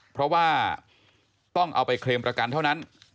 เพราะว่าต้องเอาไปเคลมประกันเท่านั้น